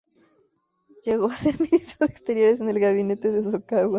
Llegó a ser Ministro de Exteriores en el gabinete de Hosokawa.